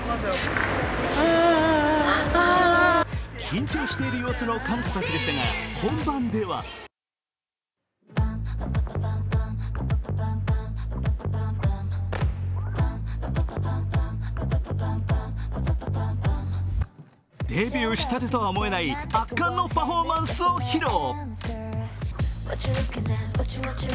緊張している様子の彼女たちでしたが、本番ではデビューしたてとは思えない圧巻のパフォーマンスを披露。